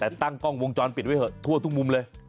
แต่ตั้งกล้องวงจรปิดไว้เถอะทั่วทุกมุมเลย